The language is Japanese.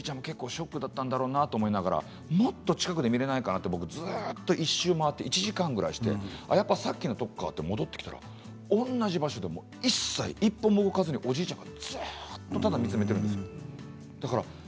ショックだったんだろうなと思いながらもっと近くで見られないかなと思って一周回って１時間ぐらいしてやっぱりさっきのところかなと思ったら同じ場所から一歩も動かずおじいちゃんがずっと見つめてるんです。